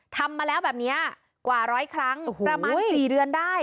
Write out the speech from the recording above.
ทำมาแล้วแบบนี้กว่าร้อยครั้งประมาณ๔เดือนได้